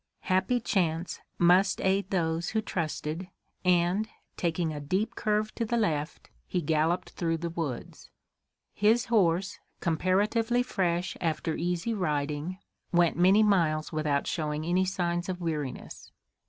Happy chance must aid those who trusted, and, taking a deep curve to the left, he galloped through the woods. His horse comparatively fresh after easy riding, went many miles without showing any signs of weariness.